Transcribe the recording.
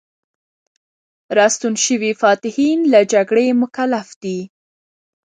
راستون شوي فاتحین له جګړې مکلف دي.